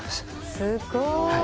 すごい。